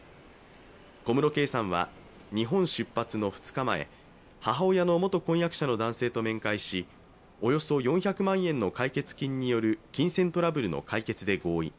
小室圭さんは日本出発の２日前母親の元婚約者の男性と面会し、およそ４００万円の解決金による金銭トラブルの解決で合意。